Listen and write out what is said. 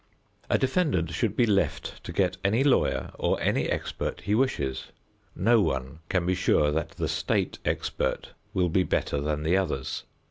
A defendant should be left to get any lawyer or any expert he wishes. No one can be sure that the state expert will be better than the others.